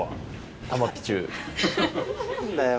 何だよ